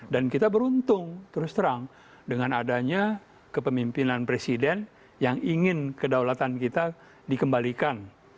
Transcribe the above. dan kita beruntung terus terang dengan adanya kepemimpinan presiden yang ingin kedaulatan kita dikembalikan